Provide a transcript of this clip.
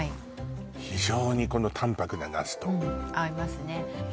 非常にこの淡泊なナスとうん合いますね